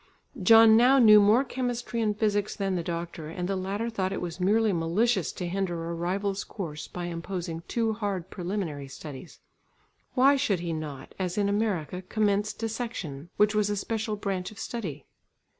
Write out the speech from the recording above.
John now knew more chemistry and physics than the doctor, and the latter thought it was merely malicious to hinder a rival's course by imposing too hard preliminary studies. Why should he not, as in America, commence dissection, which was a special branch of study?